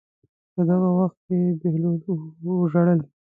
په دغه وخت کې بهلول ژړل.